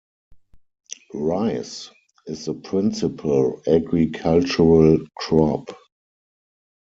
Rice is the principal agricultural crop.